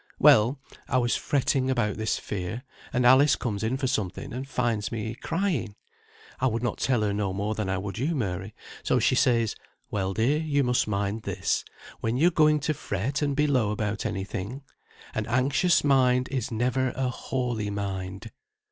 Well, I was fretting about this fear, and Alice comes in for something, and finds me crying. I would not tell her no more than I would you, Mary; so she says, 'Well, dear, you must mind this, when you're going to fret and be low about any thing, "An anxious mind is never a holy mind."'